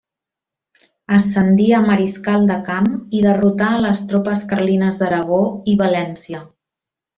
Ascendí a mariscal de camp i derrotà a les tropes carlines d'Aragó i València.